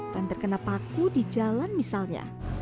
dan terkena paku di jalan misalnya